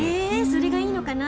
それがいいのかな？